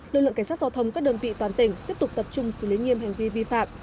lực lượng cảnh sát giao thông các đơn vị toàn tỉnh tiếp tục tập trung xử lý nghiêm hành vi vi phạm